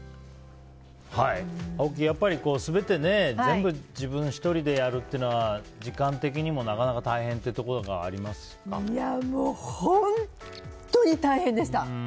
青木、やっぱり全て全部自分１人でやるというのは時間的にもなかなか大変っていうところがもう本当に大変でした。